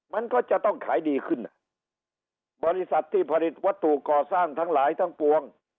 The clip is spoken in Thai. มันก็จะต้องขายดีขึ้นอ่ะบริษัทที่ผลิตวัตถุก่อสร้างทั้งหลายทั้งปวง